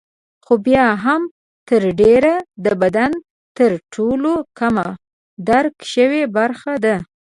خو بیا هم تر ډېره د بدن تر ټولو کمه درک شوې برخه ده.